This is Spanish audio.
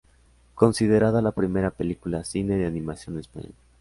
Considerada la primera película cine de animación español.